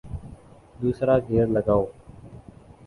دوسرا گیئر لگاؤ